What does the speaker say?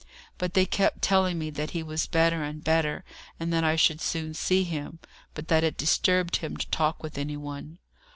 But they kept telling me that he was better and better, and that I should soon see him, but that it disturbed him to talk with anyone.